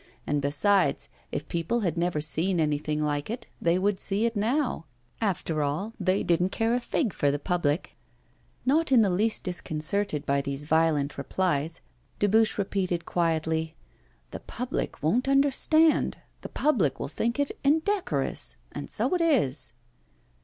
And besides, if people had never seen anything like it, they would see it now. After all, they didn't care a fig for the public! Not in the least disconcerted by these violent replies, Dubuche repeated quietly: 'The public won't understand the public will think it indecorous and so it is!